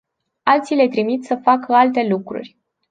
Alții le trimit să facă alte lucruri.